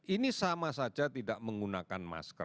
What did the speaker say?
ini sama saja tidak menggunakan masker